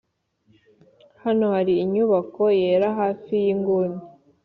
hano hari inyubako yera hafi yinguni.